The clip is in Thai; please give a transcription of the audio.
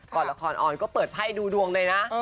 ก่อนละครออนก็เปิดไพ่ดูดวงเลยนะ